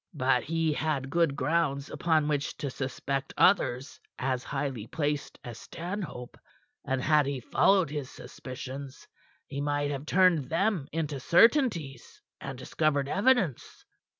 But he had good grounds upon which to suspect others as highly placed as Stanhope, and had he followed his suspicions he might have turned them into certainties and discovered evidence.